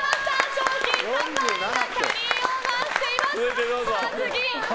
賞金３万円がキャリーオーバーしています。